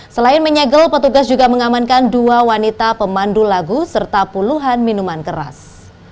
selain menyegel petugas juga mengamankan dua wanita pemandu lagu serta puluhan minuman keras